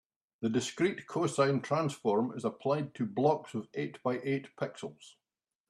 The discrete cosine transform is applied to blocks of eight by eight pixels.